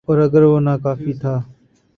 اوراگر وہ ناکافی تھا۔